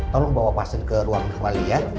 tolong bawa pasien ke ruang kembali ya